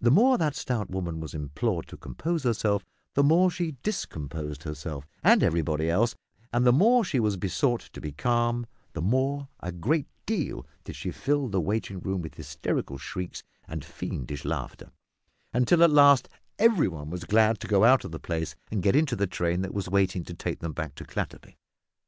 The more that stout woman was implored to compose herself, the more she discomposed herself, and everybody else; and the more she was besought to be calm, the more, a great deal, did she fill the waiting room with hysterical shrieks and fiendish laughter, until at last every one was glad to go out of the place and get into the train that was waiting to take them back to Clatterby.